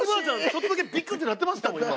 ちょっとだけビクッてなってましたもん今。